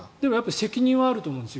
責任はあると思うんですよ